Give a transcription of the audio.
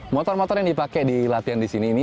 motor motor yang dipakai di latihan di sini ini